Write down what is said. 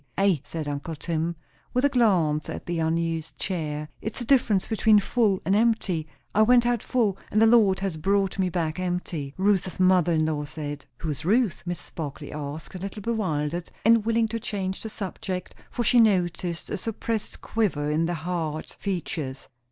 "Ay," said uncle Tim, with a glance at the unused chair, "it's the difference between full and empty. 'I went out full, and the Lord has brought me back empty', Ruth's mother in law said." "Who is Ruth?" Mrs. Barclay asked, a little bewildered, and willing to change the subject; for she noticed a suppressed quiver in the hard features.